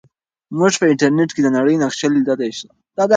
موږ په انټرنیټ کې د نړۍ نقشه لیدلی سو.